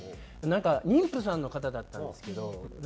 なんか妊婦さんの方だったんですけど。